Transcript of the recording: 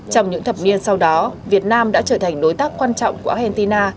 trong những thập niên sau đó việt nam đã trở thành đối tác quan trọng của argentina